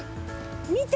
見て。